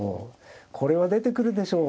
これは出てくるでしょう